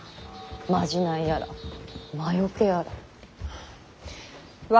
まじないやら魔よけやら。